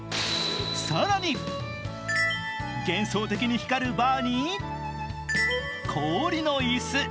更に、幻想的に光るバーに、氷の椅子。